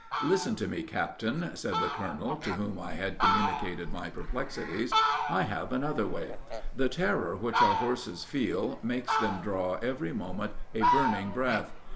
"'Listen to me, captain,' said the colonel, to whom I had communicated my perplexities. 'I have another way. The terror which our horses feel, makes them draw every moment a burning breath.